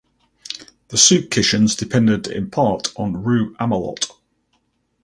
The soup kitchens depended in part on Rue Amelot.